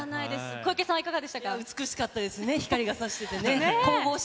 小池さん美しかったですね、光がさしててね。